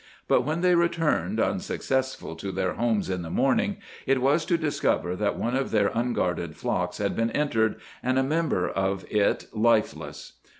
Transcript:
But when they returned, unsuccessful, to their homes in the morning, it was to discover that one of their unguarded flocks had been entered, and a member of it lifeless.